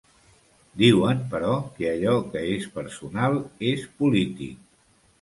Diuen, però, que allò que és personal, és polític.